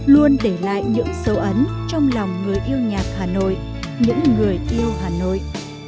luôn để lại những dấu ấn trong lòng người yêu nhạc hà nội những người yêu hà nội